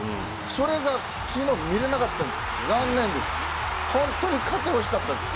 それが昨日見られかったんです、残念です。